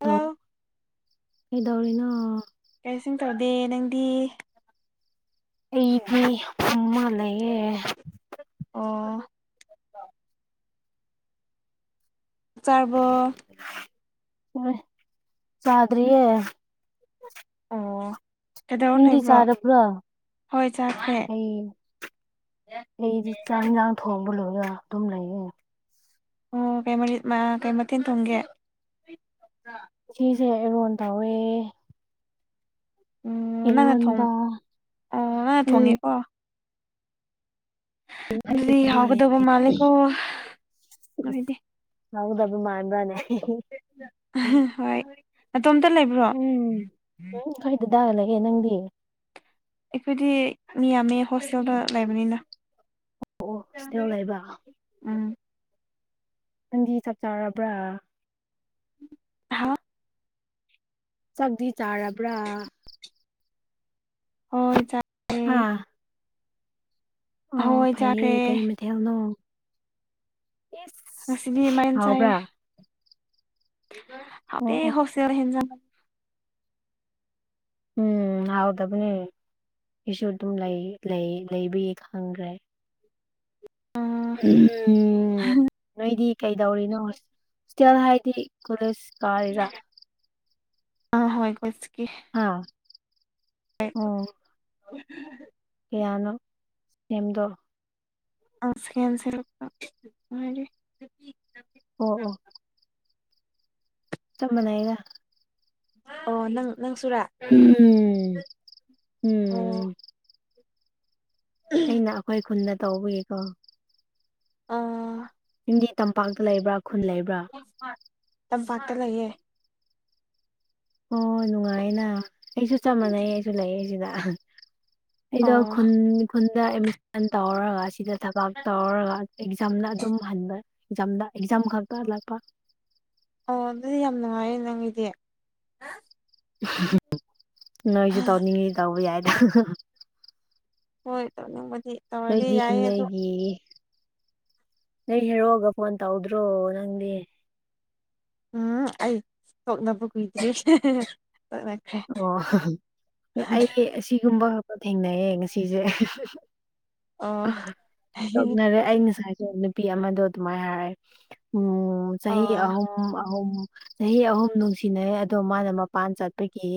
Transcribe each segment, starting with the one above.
hello ꯗꯣ ꯀꯩꯗꯧꯔꯤꯅ‌ꯣ ꯀꯩꯔꯤꯁꯨꯝ ꯇꯧꯗꯦ ꯅꯪꯗꯤ ꯑꯩꯗꯤ ꯐꯝꯃ ꯒ ꯂꯩꯌꯦ ꯑꯣ ꯆꯥ ꯆꯥꯔꯕꯣ ꯆꯥꯗ꯭ꯔꯤꯌꯦ ꯑꯣ ꯀꯩꯗꯧꯔ ꯅꯪꯗꯤ ꯂꯩꯕ꯭ꯔꯣ ꯆꯥꯔꯕ꯭ꯔꯣ ꯍꯣꯏ ꯆꯥꯈ꯭ꯔꯦ ꯑꯩ ꯑꯩꯗꯤ ꯆꯥꯛ ꯌꯦꯟꯁꯥꯡ ꯊꯣꯡꯕ ꯂꯣꯏꯔ ꯑꯗꯨꯝ ꯂꯩꯌꯦ ꯑꯣ ꯀꯩ ꯃꯔꯤꯠ ꯃ ꯀꯩ ꯃꯊꯦꯟ ꯊꯣꯡꯒꯦ ꯁꯤꯁꯦ ꯏꯔꯣꯟ ꯇꯧꯋꯦ ꯎꯝ ꯅꯪꯅ ꯊꯣꯡ ꯏꯔꯣꯟꯕ ꯑꯣ ꯅꯪꯅ ꯊꯣꯡꯉꯤ ꯎꯝ ꯑꯗꯨꯗꯤ ꯍꯥꯎꯒꯗꯕ ꯃꯥꯜꯂ‌ꯦꯀꯣ ꯅꯣꯢꯗꯤ ꯍꯥꯎꯒꯗꯕ ꯃꯥꯟꯕꯔꯅꯦ ꯍꯣꯏ ꯅꯇ‌ꯣꯝꯇ ꯂꯩꯕ꯭ꯔꯣ ꯎꯝ ꯈ‌ꯣꯢ ꯗꯗꯥꯒ ꯂꯩꯌꯦ ꯅꯪꯗꯤ ꯑꯩꯈꯣꯏꯗꯤ ꯃꯤ ꯌꯥꯝꯃꯦ ꯍꯣꯁꯇꯦꯜꯗ ꯂꯩꯕꯅꯤꯅ ꯑꯣ ꯍꯣꯁꯇꯦꯜ ꯂꯩꯕ ꯎꯝ ꯅꯪꯗꯤ ꯆꯥꯛ ꯆꯥꯔꯕ꯭ꯔꯥ ꯍꯥ ꯆꯥꯛꯗꯤ ꯆꯥꯔꯥ ꯕ꯭ꯔꯥ ꯍꯣꯏ ꯆ ꯍꯥ ꯑꯣ ꯍꯣꯏ ꯐꯩꯌꯦ ꯆꯥꯈ꯭ꯔꯦ ꯀꯩ ꯃꯊꯦꯜꯅꯣ ꯢꯁ ꯉꯁꯤꯗꯤ ꯃꯥꯏꯌ‌‌ꯦꯟ ꯆꯥꯏ ꯑꯣ ꯑꯣ ꯌ‌ꯦ ꯍꯥꯎꯑꯦ ꯍꯦꯁꯇꯦꯜ ꯍꯦꯟꯖꯥꯡ ꯎꯝ ꯍꯥꯎꯇꯕꯅꯦ ꯑꯩꯁꯨ ꯑꯗꯨꯝ ꯂꯩ ꯂꯩ ꯂꯩꯕꯒꯤ ꯈꯪꯒ꯭ꯔꯦ ꯑ ꯎꯝ ꯅꯣꯏꯗꯤ ꯀꯩꯗꯧꯔꯤꯅꯣ ꯍꯣꯁꯇꯦꯜ ꯍꯥꯏꯗꯤ ꯀꯣꯂꯦꯖ ꯀꯥꯔꯤꯔꯥ ꯑ ꯍꯣꯢ ꯀꯣꯁꯀꯤ ꯍꯥꯥ ꯑꯣ [inaudible] ꯀꯌꯥꯅꯣ ꯁꯦꯝꯗꯣ ꯑ ꯁꯦꯝꯁꯦ ꯂꯨꯄ ꯃꯔꯤ ꯑꯣ ꯑꯣ ꯆꯞ ꯃꯥꯅꯩꯗ ꯑꯣ ꯅꯪ ꯅꯪ ꯁꯨꯔꯥ ꯎꯝ ꯑꯣ ꯎꯝ ꯑꯩꯅ ꯑꯩꯈꯣꯏ ꯈꯨꯟꯗ ꯇꯧꯕꯒꯤ ꯀꯣ ꯑꯥ ꯅꯪꯗꯤ ꯇꯝꯄꯥꯛꯇ ꯂꯩꯕ꯭ꯔꯥ ꯈꯨꯟ ꯂꯩꯕ꯭ꯔꯥ ꯇꯝꯄꯥꯛꯇ ꯂꯩꯌꯦ ꯑꯣ ꯅꯨꯡꯉꯥꯏꯌ‌ꯦꯅ ꯑꯩꯁꯨ ꯆꯞ ꯃꯥꯟꯅꯩ ꯑꯩꯁꯨ ꯂꯩꯌ‌ꯦ ꯁꯤꯗ ꯑꯩꯗꯣ ꯑꯣ ꯈꯨꯟ ꯈꯨꯟꯗ ꯑꯦꯃꯤꯁꯟ ꯇꯧꯔꯒ ꯁꯤꯗ ꯊꯕꯥꯛ ꯇꯧꯔꯒ ꯑꯦꯛꯖꯥꯝꯅ ꯑꯗꯨꯝ ꯍꯟꯕ ꯑꯦꯛꯖꯥꯝꯗ ꯑꯦꯛꯖꯥꯝ ꯈꯛꯇ ꯍꯂꯛꯄ ꯑꯣ ꯑꯗꯨꯗꯤ ꯌꯥꯝ ꯅꯨꯡꯉꯥꯏꯌꯦ ꯅꯪꯒꯤꯗꯤ ꯅꯣꯏꯖꯨ ꯇꯧꯅꯤꯡꯉꯤ ꯇꯧꯕ ꯌꯥꯏꯗ ꯍꯣꯏ ꯇꯝꯅꯤꯡ ꯃꯗꯤ ꯅ‌ꯣꯏꯒꯤ ꯅ‌‌ꯣꯏꯒꯤ ꯅ‌ꯣꯏ ꯍꯦꯔ‌ꯣꯒ ꯐꯣꯟ ꯇꯧꯗ꯭ꯔꯣ ꯅꯪꯗꯤ ꯎꯝ ꯑꯩ ꯊꯣꯛꯅꯕ ꯀꯨꯏꯗ꯭ꯔꯤ ꯇ‌ꯣꯛꯅ ꯑꯣ ꯑꯩ ꯑꯁꯤꯒꯨꯝꯕ ꯈꯄ ꯊꯦꯡꯅꯩꯌꯦ ꯉꯁꯤꯁꯦ ꯑꯣ ꯇꯅꯔꯦ ꯑꯩ ꯉꯁꯥꯏꯁ ꯅꯨꯄꯤ ꯑꯃꯗꯣ ꯑꯗꯨꯃꯥꯏꯅ ꯍꯥꯏꯔꯦ ꯎꯝ ꯆꯍꯤ ꯑꯣ ꯑꯍꯨꯝ ꯑꯍꯨꯝ ꯆꯍꯤ ꯑꯍꯨꯝ ꯅꯨꯡꯁꯤꯅꯩ ꯑꯗꯣ ꯃꯥꯅ ꯃꯄꯥꯟ ꯆꯠꯄꯒꯤ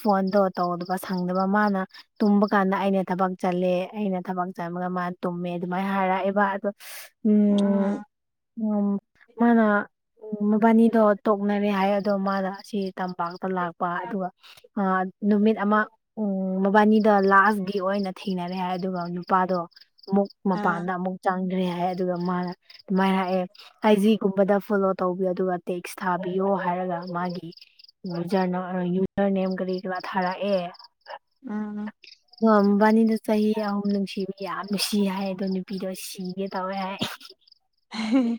ꯐꯣꯟꯗꯣ ꯇꯧ ꯑꯗꯨꯒꯒ ꯁꯪꯗꯕ ꯃꯥꯅ ꯇꯨꯝꯕ ꯀꯥꯟꯗ ꯑꯩꯅ ꯊꯕꯛ ꯆꯜꯂꯦ ꯑꯩꯅ ꯊꯕꯛ ꯆꯟꯕꯒ ꯃꯥ ꯇꯨꯝꯃꯦ ꯑꯗꯨꯃꯥꯏꯅ ꯍꯥꯏꯔꯛꯑꯦꯕ ꯑꯗꯣ ꯎꯝ ꯎ ꯃꯥꯅ ꯎ ꯃꯕꯥꯅꯤꯗꯣ ꯇꯣꯛꯅꯔꯦ ꯍꯥꯏ ꯑꯗꯣ ꯃꯥꯅ ꯑꯁꯤ ꯇꯝꯕ ꯂꯥꯛꯄ ꯑꯗꯨꯒ ꯅꯨꯃꯤꯠ ꯑꯃ ꯎ ꯃꯕꯥꯅꯤꯗ ꯂꯥꯁ ꯗꯤ ꯑꯣꯏꯅ ꯊꯦꯡꯅꯔꯦ ꯍꯥꯏ ꯑꯗꯨꯒ ꯅꯨꯄꯥꯗꯣ ꯑꯃꯨꯛ ꯑꯥ ꯃꯄꯥꯟꯗ ꯑꯃꯨꯛ ꯆꯥꯡꯗ꯭ꯔꯦ ꯍꯥꯏ ꯑꯗꯨꯒ ꯃꯥꯅ ꯑꯗꯨꯃꯥꯏꯅ ꯍꯥꯏꯑꯦ ꯑꯥꯏꯖꯤꯒꯨꯝꯕꯗ ꯐꯣꯂꯣ ꯇꯧꯕꯤꯌꯣ ꯑꯗꯨꯒ ꯇꯦꯛꯁ ꯊꯥꯕꯤꯌꯣ ꯍꯥꯏꯔꯒ ꯃꯥꯒꯤ ꯌꯨꯖꯔ ꯌꯨꯖꯔ ꯅꯦꯝ ꯀꯔꯤ ꯀꯔꯥ ꯊꯥꯔꯛꯑꯦ ꯎꯝ ꯑꯣ ꯃꯕꯥꯅꯤꯗꯣ ꯆꯍꯤ ꯑꯍꯨꯝ ꯅꯨꯡꯁꯤꯕꯤ ꯌꯥꯝ ꯁꯤ ꯍꯥꯏ ꯑꯗꯣ ꯅꯨꯄꯤꯗꯣ ꯁꯤ ꯌꯦ ꯇꯋꯦ ꯍꯥꯏ ꯎꯝ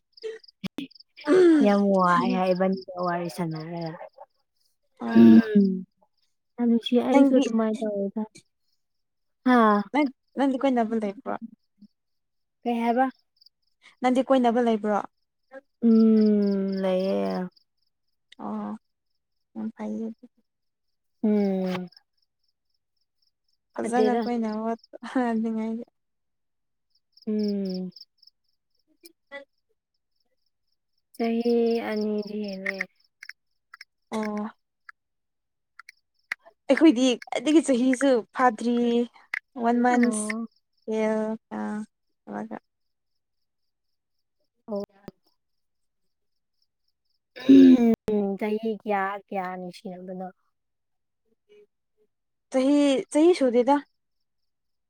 ꯌꯥꯝ ꯋꯥꯏ ꯍꯥꯏꯕꯅꯤꯒ ꯋꯥꯔꯤ ꯁꯥꯟꯅꯔꯦ ꯑꯣ ꯁꯤ ꯅꯪꯗꯤ ꯁꯣꯇ ꯃꯥꯏ ꯇꯗ ꯍꯥꯥ ꯅ ꯅꯪꯈꯣꯏ ꯅꯕꯜ ꯂꯩꯕ꯭ꯔꯣ ꯀ ꯍꯥꯏꯕ ꯅꯪꯗꯤ ꯀꯣꯏꯅꯕ ꯂꯩꯕ꯭ꯔꯣ ꯎꯝ ꯂꯩꯌꯦꯦ ꯑꯣ ꯎꯝ ꯐꯥꯏ ꯎꯝ ꯐꯖꯅ ꯑꯗꯨꯗꯦꯔ ꯀꯣꯏꯅꯣꯠꯅꯤꯡꯉꯥꯏꯒꯤ ꯎꯝ [inaudible] ꯆꯍꯤꯍꯤ ꯑꯅꯤ ꯂ ꯑꯣ ꯑꯩꯈꯣꯏꯗꯤ ꯈ꯭ꯋꯥꯏꯗꯒꯤ ꯆꯍꯤꯁꯨ ꯐꯥꯗ꯭ꯔꯤꯌꯦ ꯋꯥꯟ ꯑꯣ ꯃꯟꯁ ꯍꯒ ꯑꯣ ꯎ ꯆꯍꯤ ꯀꯌꯥ ꯀꯌꯥꯅꯤ ꯁꯤꯅꯕꯅꯣ [inaudible] ꯆꯍꯤ ꯆꯍꯤ ꯁꯨꯗꯦꯗ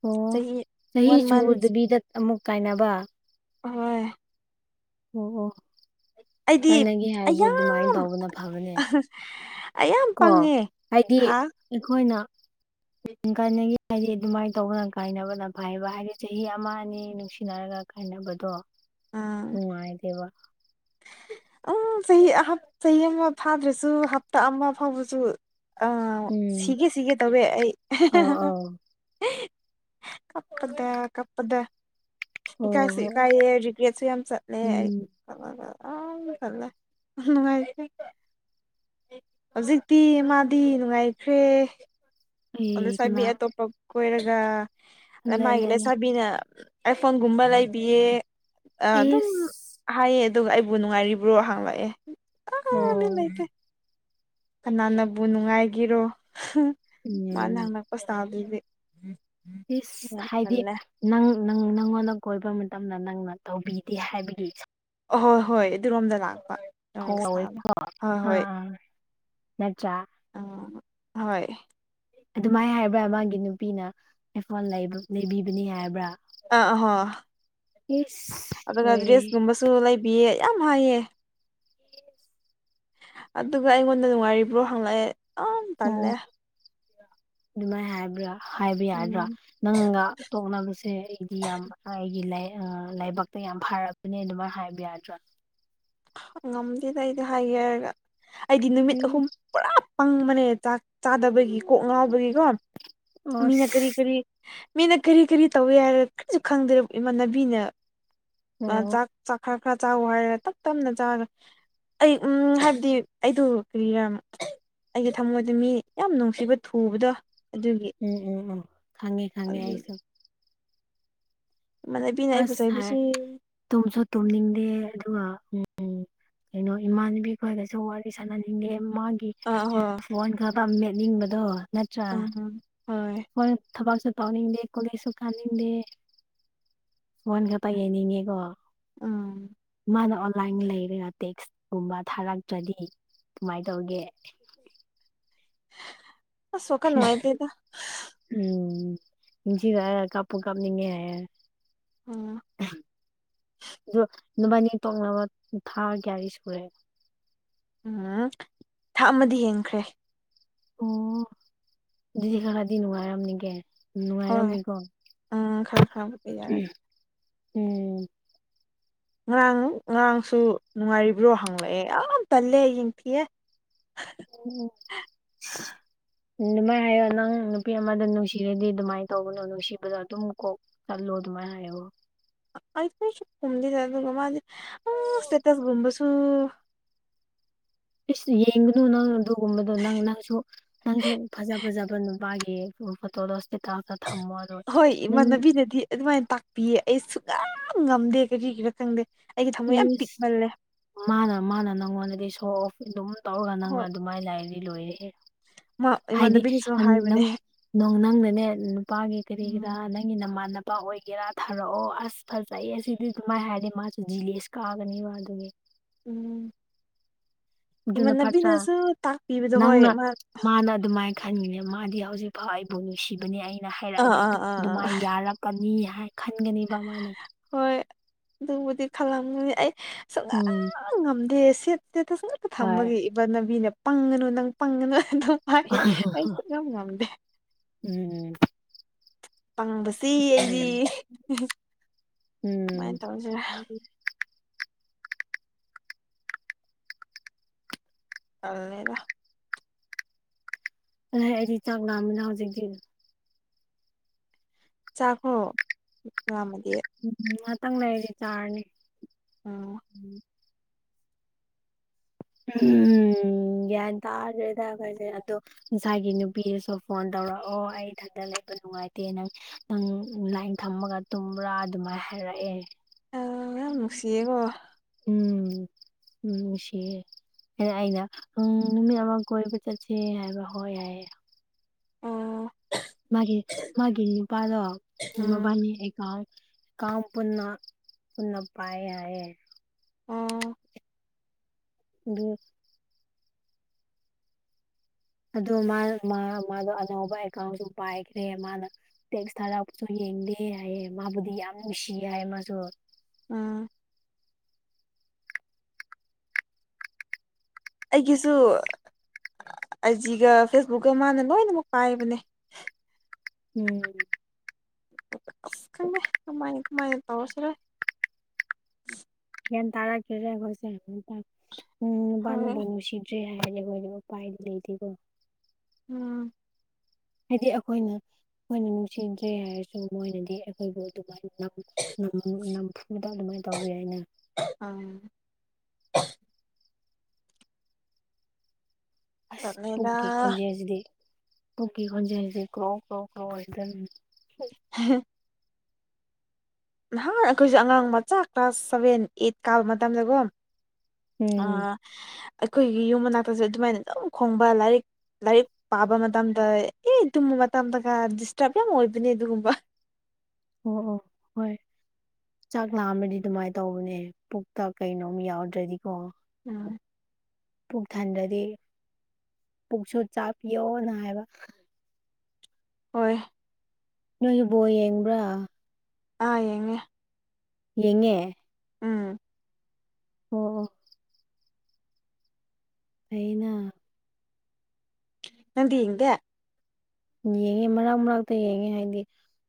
ꯑꯣ ꯆꯍꯤ ꯆꯍꯤ ꯋꯥꯟ ꯃꯟꯁ ꯆꯨꯗꯕꯤꯗ ꯑꯃꯨꯛ ꯀꯥꯏꯅꯕ ꯍꯣꯏ ꯑꯣ ꯑꯣ ꯑꯩꯗꯤ ꯀꯥꯏꯅꯒꯦ ꯍꯥꯏꯔꯗꯤ ꯑꯗꯨꯃꯥꯏꯅ ꯑꯌꯥꯝ ꯇꯧꯕꯅ ꯐꯕꯅꯦ ꯑꯌꯥꯝ ꯀꯣ ꯄꯪꯉꯦ ꯍꯥꯏꯗꯤ ꯍꯥ ꯑꯩꯈꯣꯏꯅ ꯀꯥꯏꯅꯒꯦ ꯍꯥꯏꯗꯤ ꯑꯗꯨꯃꯥꯏꯅ ꯇꯧꯕꯅ ꯀꯥꯏꯅꯕꯅ ꯐꯩꯕ ꯍꯥꯏꯗꯤ ꯆꯍꯤ ꯑꯃ ꯑꯅꯤ ꯅꯨꯡꯁꯤꯅꯔꯒ ꯀꯥꯏꯅꯕꯗꯣ ꯅꯨꯡꯉꯥꯏꯇꯦꯕ ꯑꯣ ꯆꯍꯤ ꯆꯍꯤ ꯑꯃ ꯐꯥꯗ꯭ꯔꯁꯨ ꯍꯞꯇꯥ ꯑꯃ ꯐꯥꯎꯕꯁꯨ ꯑ ꯎꯝ ꯁꯤꯒꯦ ꯁꯤꯒꯦ ꯇꯦꯋꯦ ꯑꯩ ꯑꯧ ꯑꯧ ꯀꯞꯄꯗ ꯀꯞꯄꯗ ꯑꯣ ꯏꯀꯥꯏꯁꯨ ꯍꯣꯏ ꯏꯀꯥꯏꯌꯦ ꯔꯤꯒ꯭ꯔꯦꯠꯁꯨ ꯌꯥꯝ ꯆꯠꯂꯦ ꯑꯩ ꯎꯝ [unintelligible] ꯍꯧꯖꯤꯛꯇꯤ ꯃꯥꯗꯤ ꯅꯨꯡꯉꯥꯏꯈ꯭ꯔꯦ ꯑꯩ ꯂꯩꯁꯥꯕꯤ ꯀꯅꯥ ꯑꯇꯣꯞꯄ ꯀꯣꯏꯔꯒ ꯂꯦ ꯃꯥꯒꯤ ꯂꯦ ꯂꯦ ꯂꯩꯁꯥꯕꯤꯅ ꯑꯥꯏꯐꯣꯟꯒꯨꯝꯕ ꯂꯩꯕꯤꯌꯦ ꯑꯗꯨꯝ ꯑꯩꯁ ꯍꯥꯏꯌꯦ ꯑꯗꯨꯒ ꯑꯩꯕꯨ ꯅꯨꯡꯉꯥꯏꯔꯤꯕ꯭ꯔꯣ ꯍꯥꯡꯂꯛꯑꯦ ꯑꯣ ꯀꯅꯥꯅꯕꯨ ꯅꯨꯡꯉꯥꯏꯒꯤꯔꯣ ꯃꯥꯅ ꯎꯝ ꯍꯪꯅꯛꯄ ꯁꯥꯕꯗꯨꯗꯤ ꯏꯁ ꯍꯥꯏꯗꯤ ꯅꯪ ꯅꯪ ꯅꯪꯉꯣꯟꯗ ꯀꯣꯏꯕ ꯃꯇꯝꯗ ꯅꯪꯅ ꯇꯧꯕꯤꯗꯦ ꯍꯥꯏꯕꯒꯤ ꯑꯍꯣꯏ ꯍꯣꯏ ꯑꯗꯨꯔꯣꯝꯗ ꯂꯥꯛꯄ ꯅꯪꯒꯤ ꯁ꯭ꯇꯥꯏꯜꯗꯣ ꯍꯣꯏ [unintelligible] ꯑꯝ ꯍꯣꯏ ꯑꯗꯨꯃꯥꯏ ꯍꯥꯏꯕ꯭ꯔꯥ ꯃꯥꯒꯤ ꯅꯨꯄꯤꯅ ꯑꯥꯢꯐꯣꯟ ꯂꯩꯕꯤꯕꯅꯤ ꯍꯥꯏꯕ꯭ꯔꯥ ꯑꯥ ꯑꯥꯥ ꯍꯣ ꯏꯁ ꯑꯗꯨꯒ ꯂꯣꯏꯔꯦꯍꯦ ꯗ꯭ꯔꯦꯁꯀꯨꯝꯕꯁꯨ ꯂꯩꯕꯤꯌꯦ ꯌꯥꯝ ꯍꯥꯏꯌꯦ ꯑꯗꯨꯒ ꯑꯩꯉꯣꯟꯗ ꯅꯨꯡꯉꯥꯏꯔꯤꯕ꯭ꯔꯣ ꯍꯪꯂꯛꯑꯦ ꯌꯥꯝ ꯑꯣ ꯇꯜꯂꯦ ꯑꯗꯨꯃꯥꯏ ꯍꯥꯏꯕ꯭ꯔꯥ ꯍꯥꯏꯕ ꯌꯥꯗ꯭ꯔꯥ ꯎꯝ ꯅꯪꯒ ꯇꯣꯛꯅꯕꯁꯦ ꯑꯩꯗꯤ ꯌꯥꯝ ꯑꯩꯒꯤ ꯂꯥꯏ ꯂꯥꯏꯕꯛꯇ ꯌꯥꯝ ꯐꯔꯕꯅꯦ ꯑꯗꯨꯃꯥꯏꯅ ꯍꯥꯏꯕ ꯌꯥꯗ꯭ꯔꯥ ꯉꯝꯗꯦꯗ ꯑꯩꯗꯤ ꯍꯥꯏꯒꯦ ꯍꯥꯏꯔꯒ ꯑꯩꯗꯤ ꯅꯨꯃꯤꯠ ꯎꯝ ꯑꯍꯨꯝ ꯄꯨꯔꯥ ꯄꯪꯕꯅꯦ ꯆꯥꯛ ꯆꯥꯗꯕꯒꯤ ꯀꯣꯛ ꯉꯥꯎꯕꯒꯤꯀꯣ ꯃꯤꯅ ꯀꯔꯤ ꯑꯁ ꯀꯔꯤ ꯃꯤꯅ ꯀꯔꯤ ꯀꯔꯤ ꯇꯧꯋꯦ ꯍꯥꯏꯔ ꯀꯔꯤꯁꯨ ꯈꯪꯗꯦ ꯏꯃꯥꯟꯅꯕꯤꯅ ꯃꯥ ꯑꯣ ꯆꯥꯛ ꯆꯥꯛ ꯈꯔ ꯈꯔ ꯆꯥꯎ ꯍꯥꯏꯔ ꯍꯦꯛꯇ ꯇꯞꯅ ꯆꯥꯔ ꯑꯩ ꯎꯝ ꯍꯥꯏꯕꯗꯤ ꯑꯩꯗꯣ ꯀꯔꯤꯔ ꯑꯩꯒꯤ ꯊꯝꯃꯣꯏꯗ ꯃꯤ ꯌꯥꯝ ꯅꯨꯡꯁꯤꯕ ꯊꯨꯕꯗꯣ ꯑꯗꯨꯒꯤ ꯎꯝ ꯎꯝ ꯎꯝ ꯈꯪꯉꯦ ꯈꯪꯉꯦ ꯑꯗꯨꯒꯤ ꯑꯩꯁꯨ ꯏꯃꯥꯟꯅꯕꯤꯅ ꯑꯩꯕꯨ ꯑꯁ ꯁꯥꯔ ꯆꯩꯕꯁꯤ ꯇꯨꯝꯁꯨ ꯇꯨꯝꯅꯤꯡꯗꯦ ꯑꯗꯨꯒ ꯎꯝ ꯀꯩꯅꯣ ꯏꯃꯥꯟꯅꯕꯤ ꯈꯣꯏꯒꯁꯨ ꯋꯥꯔꯤ ꯁꯥꯟꯅꯅꯤꯡꯗꯦ ꯃꯥꯒꯤ ꯑꯥ ꯍꯣꯏ ꯐꯣꯟ ꯈꯛꯇ ꯃꯦꯠꯅꯤꯡꯕꯗꯣ ꯅꯠꯇ꯭ꯔꯥ ꯑꯥ ꯍꯣꯏ ꯑꯩꯣꯏ ꯊꯕꯛꯁꯨ ꯇꯧꯅꯤꯡꯗꯦ ꯀꯣꯂꯦꯁꯁꯨ ꯀꯥꯅꯤꯡꯗꯦ [unintelligible] ꯎꯝ ꯃꯥꯅ ꯑꯣꯟꯂꯥꯏꯟ ꯂꯩꯔꯒ ꯇꯦꯛꯁꯀꯨꯝꯕ ꯊꯥꯔꯛꯇ꯭ꯔꯗꯤ ꯀꯃꯥꯏꯅ ꯇꯧꯒꯦ ꯑꯁ ꯋꯥꯈꯜ ꯅꯨꯡꯉꯥꯏꯇꯦꯗ [unintelligible] ꯑꯣ ꯑꯗꯣ ꯅꯕꯥꯥꯏꯅꯤ ꯇꯣꯛꯅꯕ ꯊꯥ ꯀꯌꯥꯔꯤ ꯁꯨꯔꯦ ꯎꯝ ꯊꯥꯛ ꯑꯃꯗꯤ ꯍꯦꯟꯈ꯭ꯔꯦ ꯑꯣ ꯑꯗꯨꯗꯤ ꯈꯔꯗꯤ ꯅꯨꯡꯉꯥꯏꯔꯝꯅꯤꯒꯦ ꯍꯣꯏ ꯅꯨꯡꯉꯥꯏꯔꯝꯅꯤꯀꯣ ꯎꯝ ꯈꯔ ꯈꯔꯕꯨꯗꯤ ꯌꯥꯔꯦ ꯎꯝ ꯉꯔꯥꯡ ꯉꯔꯥꯡꯁꯨ ꯅꯨꯡꯉꯥꯏꯔꯤꯕ꯭ꯔꯣ ꯍꯪꯂꯛꯑꯦ ꯌꯥꯝ ꯇꯜꯂꯦ ꯌꯦꯡꯊꯤꯑ ꯑꯣ ꯎ ꯑꯗꯨꯃꯥꯏꯅ ꯍꯥꯏꯌꯣ ꯅꯪ ꯅꯨꯄꯤ ꯑꯃꯗ ꯅꯨꯡꯁꯤꯔꯗꯤ ꯑꯗꯨꯃꯥꯏꯅ ꯇꯧꯕꯅꯣ ꯅꯨꯡꯁꯤꯕꯗꯣ ꯑꯗꯨꯝ ꯀꯣꯛ ꯆꯜꯣꯗ ꯃꯥꯣ ꯑ ꯐꯁꯨ ꯈꯨꯝꯗꯤꯖ ꯑꯗꯨꯒ ꯃꯥꯗꯤ ꯑ ꯁꯇꯦꯇꯁ ꯨꯝꯕꯁꯨ ꯏꯁ ꯌꯦꯡꯒꯅꯨ ꯅꯪ ꯑꯗꯨꯒꯨꯝꯕꯗꯣ ꯅꯪ ꯅꯪꯁꯨ ꯅꯪꯁꯨ ꯐꯖ ꯐꯖꯕꯅꯣ ꯃꯥꯦ ꯎ ꯐꯇꯣꯂꯁꯇꯥ ꯊꯝꯃ ꯍꯣꯏ ꯏꯃꯥꯟꯅꯕꯤꯅꯗꯤ ꯑꯗꯨꯃꯥꯏꯅ ꯇꯥꯛꯄꯤꯌꯦ ꯑꯩ ꯁꯨꯛ ꯌꯥꯝꯝ ꯉꯝꯗꯦ ꯀꯔꯤꯒꯤꯔꯥ ꯈꯪꯗꯦ ꯑꯩꯒꯤ ꯊꯃꯣꯏ ꯌꯥꯝ ꯏꯁ ꯄꯤꯛꯃꯜꯂꯦ ꯃꯥꯅ ꯃꯥꯅ ꯅꯪꯉꯣꯟꯗꯗꯤ ꯁꯣ ꯑꯣꯐ ꯑꯗꯨꯝ ꯇꯧꯔꯒ ꯅꯪꯅ ꯍꯣꯏ ꯑꯗꯨꯃꯥꯏꯅ ꯂꯥꯏꯔꯤꯗꯤ ꯂꯣꯏꯔꯑꯦ ꯃꯥ ꯍꯥꯏꯗꯤ ꯏꯃꯥꯟꯅꯕꯤꯅꯁꯨ ꯅ ꯍꯥꯏꯕꯅꯦ ꯅ ꯅꯪꯅꯅꯦ ꯅꯨꯄꯥꯒꯤ ꯀꯔꯤꯒꯤꯔꯥ ꯎꯝ ꯅꯪꯒꯤ ꯅꯃꯥꯟꯅ ꯂꯄꯥ ꯑꯣꯏꯒꯦꯔꯥ ꯊꯥꯔꯛꯑꯣ ꯑꯁ ꯐꯖꯩꯌꯦ ꯑꯁꯤꯗꯤ ꯑꯗꯨꯃꯥꯏ ꯍꯥꯏꯔꯗꯤ ꯃꯥꯁꯨꯦ ꯖꯤꯂꯦꯁ ꯀꯥꯒꯅꯤꯕ ꯑꯗꯨꯒꯤ ꯎꯝ ꯑꯗꯨꯅ ꯐꯠꯇ꯭ꯔꯥ ꯏꯃꯥꯟꯅꯕꯤꯅꯁꯨ ꯇꯥꯛꯄꯤꯕꯗꯣ ꯍꯣꯏ ꯅꯪꯅ ꯃꯥ ꯃꯥꯅ ꯑꯗꯨꯃꯥꯏꯅ ꯈꯟꯉꯤꯅꯦ ꯃꯥꯗꯤ ꯍꯧꯖꯤꯛ ꯐꯥꯎ ꯑꯩꯕꯨ ꯅꯨꯡꯁꯤꯕꯅꯦ ꯑꯩ ꯑꯅ ꯑꯥ ꯍꯥꯏꯔꯛꯑꯗꯤ ꯑꯥ ꯑꯗꯨ ꯑꯥ ꯑꯗꯨꯃꯥꯏ ꯑꯥ ꯌꯥꯔꯛꯄꯅꯤ ꯍꯥꯏ ꯈꯟꯒꯅꯦꯕ ꯃꯥꯅ ꯍꯣꯏ ꯑꯗꯨꯕꯨꯗꯤ ꯈꯜꯂꯝꯅꯤꯅꯤ ꯑꯩ ꯁꯨꯡ ꯎꯝ ꯉꯝꯗꯦ ꯁꯦꯠꯁꯦ ꯇꯁ ꯉꯇ ꯍꯣꯏ ꯊꯝꯕꯒꯤ ꯏꯕꯅꯕꯤꯅ ꯄꯪꯉꯅꯨ ꯅꯪ ꯄꯪꯉꯅꯨ ꯍꯥꯏꯗꯝ ꯑ ꯑꯩꯁꯨ ꯉꯝ ꯉꯝꯗꯦ ꯎꯝ ꯄꯪꯕꯁꯤ ꯑꯩꯗꯤ ꯎꯝ ꯎꯝ ꯀꯃꯥꯏꯅ ꯇꯧꯁꯤꯔ ꯇꯜꯂꯦꯗꯥ ꯑ ꯑꯩꯗꯤ ꯆꯥꯛꯂꯛꯑ ꯑꯃꯅ ꯍꯧꯖꯤꯛꯇꯤ ꯑꯗꯨꯝ ꯆꯥꯛꯈꯣ ꯌꯥꯝꯝꯃꯗꯤ ꯎꯝ ꯇꯪ ꯂꯩꯔꯤ ꯆꯥꯔꯅꯤ ꯎꯝ ꯎꯝ ꯌꯥ ꯇꯥꯔꯒꯗ ꯀꯗ ꯑꯣ ꯉꯁꯥꯒꯤ ꯅꯨꯄꯤꯗꯁꯨ ꯐꯣꯟ ꯇꯧꯔꯛꯑꯣ ꯑꯩ ꯏꯊꯟꯇ ꯂꯩꯕ ꯅꯨꯡꯉꯥꯏꯇꯦ ꯅꯪ ꯅꯪ ꯂꯥꯏꯟ ꯊꯝꯃꯒ ꯇꯨꯝꯕ꯭ꯔꯥ ꯑꯗꯨꯃꯥꯏꯅ ꯍꯥꯏꯔꯛꯑꯦ ꯌꯥꯝ ꯅꯨꯡꯁꯤꯌꯦꯀꯣ ꯎꯝ ꯎꯝ ꯁꯤ ꯑꯩꯅ ꯎ ꯅꯨꯃꯤꯠ ꯑꯃ ꯀꯣꯏꯕ ꯆꯠꯁꯦ ꯍꯥꯏꯕ ꯍꯣꯏ ꯌꯥꯏꯑꯦ ꯑꯣ ꯃꯥ ꯃꯥꯒꯤꯦ ꯎꯝ ꯅꯨꯄꯥꯗꯣꯃꯕꯥꯅꯤ ꯑꯦꯀꯥꯎ ꯀꯝ ꯄꯨꯅ ꯄꯨꯅ ꯄꯌꯦ ꯍꯥꯏ ꯑꯣ ꯌꯦ ꯑꯗꯣ ꯃꯥ ꯃꯥꯗꯣ ꯑꯅꯧꯕ ꯑꯦꯀꯥꯎꯟꯁꯨ ꯄꯥꯏꯈ꯭ꯔꯦ ꯃꯥꯅ ꯇꯦꯛꯁ ꯊꯥꯔꯥꯎꯄꯁꯨ ꯌꯦꯡꯗꯦ ꯍꯥꯏꯌꯦꯦ ꯃꯥꯕꯨꯗꯤ ꯌꯥꯝ ꯅꯨꯡꯁꯤꯌꯦ ꯍꯥꯏ ꯃꯥꯁꯨ ꯎꯥ ꯑꯩꯒꯤꯁꯨ ꯑꯖꯤꯒ ꯐꯦꯁꯕꯨꯛꯀ ꯃꯥꯅ ꯂꯣꯏꯅꯃꯛ ꯄꯥꯏꯕꯅꯦ ꯎꯝ ꯦꯥꯏ ꯇꯥꯎꯁꯔ ꯌꯥꯝꯦꯟ ꯇꯔꯥ ꯀꯦꯔꯦꯣꯏꯁꯦ ꯎꯝ ꯍꯣꯏ ꯄꯥꯟꯕ ꯃꯁꯤ ꯦ ꯍꯥꯏꯔꯦꯈꯣꯏꯅꯦ ꯎꯄꯥꯏꯗꯤ ꯂꯩꯇꯦꯀꯣ ꯎꯝ ꯍꯥꯏꯗꯤ ꯑꯩꯈꯣꯏꯅ ꯑꯩꯈꯣꯏꯅ ꯅꯨꯡꯁꯤꯖꯩ ꯍꯥꯏꯔꯁꯨ ꯃꯣꯏꯅꯗꯤ ꯑꯩꯈꯣꯏꯕꯨ ꯑꯗꯨꯃꯥꯏꯅ ꯅꯝ ꯐꯨꯕꯗ ꯑꯗꯨꯃꯥꯏꯅ ꯇꯧꯕꯋ ꯑꯩꯅ ꯑꯪ ꯑꯁ ꯇꯜꯂꯦꯗ ꯄꯨꯛꯀꯤ ꯈꯣꯟꯖꯦꯜꯁꯤꯗꯤ ꯄꯨꯛꯀꯤ ꯈꯣꯟꯖꯦꯜꯁꯤ ꯀ꯭ꯔꯣ ꯀ꯭ꯔꯣ ꯀ꯭ꯔꯣ ꯍꯥꯏꯗ ꯍ ꯅꯍꯥꯟ ꯑꯩꯈꯣꯏꯁꯨꯦ ꯑꯉꯥꯡ ꯃꯆꯥ ꯀ꯭ꯂꯥꯁ ꯁꯚꯦꯟ ꯑꯩꯠ ꯀꯥꯕ ꯃꯇꯝꯗꯒꯨꯝ ꯎꯝ ꯑꯩꯈꯣꯏꯒꯤ ꯌꯨꯝ ꯃꯅꯥꯛꯇꯁꯨ ꯑꯗꯨꯃꯥꯏꯅ ꯑꯗꯨꯝ ꯈꯣꯡꯕ ꯂꯥꯏꯔꯤꯛ ꯂꯥꯏꯔꯤꯛ ꯄꯥꯕ ꯃꯇꯝꯗ ꯑꯦ ꯇꯨꯝꯕ ꯃꯇꯝꯗꯒ ꯗꯤꯁꯇꯔꯕ ꯌꯥꯝ ꯑꯣꯏꯕꯣꯏꯅꯦ ꯑꯗꯨꯒꯨꯝꯕ ꯑꯣ ꯑꯣ ꯍꯣꯏ ꯆꯥꯛ ꯂꯥꯑꯝꯃꯗꯤ ꯑꯗꯨꯃꯥꯏꯅ ꯇꯧꯕꯅꯦ ꯄꯨꯛꯇ ꯀꯩꯅꯣꯝ ꯌꯥꯎꯗ꯭ꯔꯗꯤꯀꯣ ꯎꯝ ꯄꯨꯛ ꯊꯟꯗ꯭ꯔꯗꯤ ꯄꯨꯛꯁꯨ ꯆꯥꯄꯤꯌꯣꯅ ꯍꯥꯏꯕ ꯍꯣꯏ ꯅꯣꯏꯒꯤ ꯕꯣ ꯌꯦꯡꯕ꯭ꯔꯥ ꯑꯥ ꯌꯦꯡꯉꯦ ꯌꯦꯡꯉꯦ ꯎꯝ ꯑꯣ ꯑꯣ ꯑꯩꯅ ꯅꯪꯗꯤ ꯍꯪꯗꯦ ꯌꯦꯡꯉꯦ ꯃꯔꯛ ꯃꯔꯛꯇ ꯌꯦꯡꯉꯦ ꯍꯥꯏꯗꯤ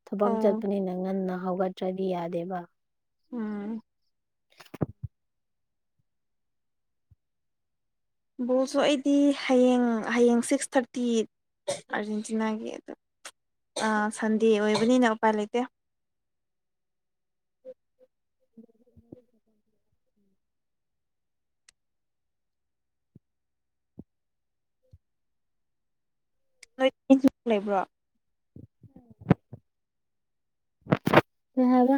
ꯊꯕꯛ ꯑꯣ ꯆꯠꯄꯅꯤꯅ ꯉꯟꯅ ꯍꯧꯒꯠ ꯇ꯭ꯔꯗꯤ ꯌꯥꯗꯦꯕ ꯎꯝ ꯕꯣꯜꯁꯨ ꯑꯩꯗꯤ ꯍꯌꯦꯡ ꯍꯌꯦꯡ ꯁꯤꯛꯁ ꯊꯥꯔꯇꯤ ꯑꯥꯔꯖꯦꯟꯇꯤꯅꯥꯒꯤ ꯑꯗꯨꯗ ꯑ ꯁꯟꯗꯦ ꯑꯣꯏꯕꯅꯤꯅ ꯎꯄꯥꯏ ꯂꯩꯇꯦ [inaudible] ꯅꯣꯏ ꯂꯩꯕ꯭ꯔꯣ ꯀꯩ ꯍꯥꯢꯕ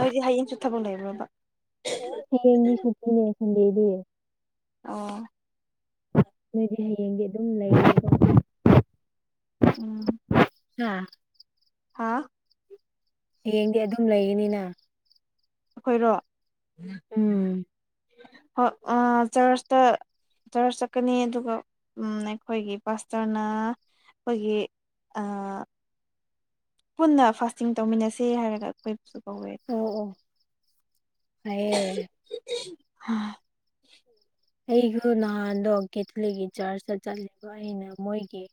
ꯅꯣꯏꯗꯤ ꯍꯌꯦꯡꯁꯨ ꯊꯕꯛ ꯂꯩꯕ꯭ꯔꯣꯕ ꯍꯌꯦꯡꯗꯤ ꯁꯨꯇꯤꯅꯦ ꯁꯟꯗꯦꯗꯤ ꯑꯣ ꯅꯣꯏꯗꯤ ꯍꯌꯦꯡꯗꯤ ꯑꯗꯨꯝ ꯂꯩ ꯎꯝ ꯍꯥ ꯍꯥꯥ ꯍꯌꯦꯡꯗꯤ ꯑꯗꯨꯝ ꯂꯩꯒꯅꯤꯅ ꯑꯩꯈꯣꯏꯔꯣ ꯎꯝ ꯍ ꯆꯔꯆꯇ ꯇꯔꯆ ꯆꯠꯀꯅꯤ ꯑꯗꯨꯒ ꯑꯩꯈꯣꯏꯒꯤ ꯄꯥꯁꯇꯔꯅ ꯑꯩꯈꯣꯏꯒꯤ ꯑ ꯄꯨꯟꯅ ꯐꯥꯁꯇꯤꯡ ꯇꯧꯃꯤꯟꯅꯁꯦ ꯍꯥꯏꯔꯒ ꯑꯩꯈꯣꯏꯁꯨ ꯀꯧꯋꯦ ꯑꯣ ꯑꯣ ꯍ ꯑꯩꯁꯨ ꯅꯍꯥꯟꯗꯣ ꯀꯦꯊꯂꯤꯛꯀꯤ ꯆꯥꯔꯆꯇ ꯆꯠꯂꯦꯕ ꯑꯩꯅ ꯃꯣꯏꯒꯤ